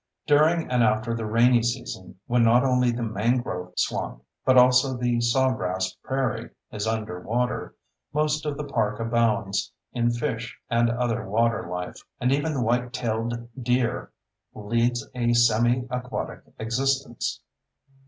During and after the rainy season, when not only the mangrove swamp but also the sawgrass prairie is under water, most of the park abounds in fish and other water life, and even the white tailed deer leads a semi aquatic existence.